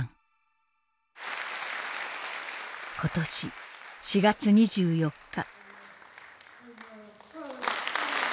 今年４月２４日。